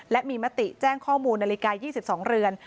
และมีมติแจ้งข้อมูลนาฬิกา๒๒เรือน